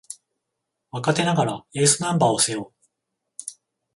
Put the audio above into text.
若手ながらエースナンバーを背負う